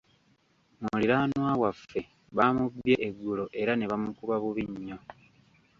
Muliraanwa waffe baamubbye eggulo era ne bamukuba bubi nnyo.